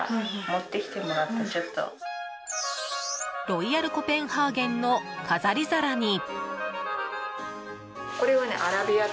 ロイヤルコペンハーゲンの飾り皿に。